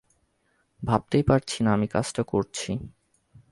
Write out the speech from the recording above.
ভাবতেই পারছি না আমি কাজটা করছি।